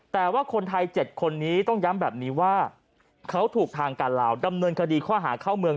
แต่ว่าคนไทย๗คนนี้ต้องย้ำแบบนี้ว่าเขาถูกทางการลาวดำเนินคดีข้อหาเข้าเมือง